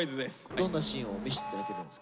どんなシーンを見せて頂けるんですか？